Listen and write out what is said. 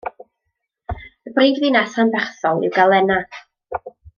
Y brifddinas ranbarthol yw Galena.